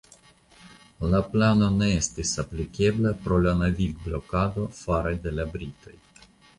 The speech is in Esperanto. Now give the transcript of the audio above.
La plano ne estis aplikebla pro la navigblokado fare de la britoj.